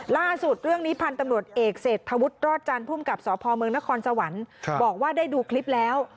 ล่าสุดเรื่องนี้พันธุ์ตำรวจเอกเศรษฐวุฒิรอดจันทร์ภูมิกับสพเมืองนครสวรรค์บอกว่าได้ดูคลิปแล้ว